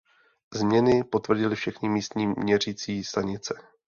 Změny potvrdily všechny místní měřící stanice.